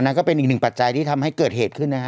ก็เป็นอีกหนึ่งปัจจัยที่ทำให้เกิดเหตุขึ้นนะฮะ